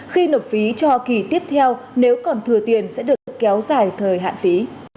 khi nộp phí cho kỳ tiếp theo nếu còn thừa tiền sẽ được kéo dài thời hạn phí